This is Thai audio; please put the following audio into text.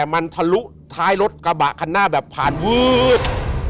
มันทะลุท้ายรถกระบะคันหน้าแบบผ่านวืด